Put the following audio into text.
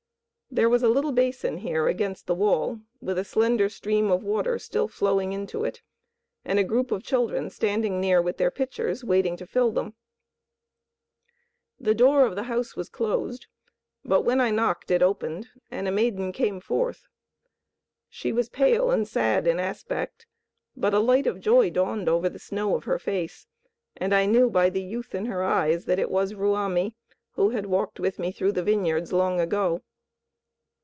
There was a little basin here against the wall, with a slender stream of water still flowing into it, and a group of children standing near with their pitchers, waiting to fill them. The door of the house was closed; but when I knocked, it opened and a maiden came forth. She was pale and sad in aspect, but a light of joy dawned over the snow of her face, and I knew by the youth in her eyes that it was Ruamie, who had walked with me through the vineyards long ago.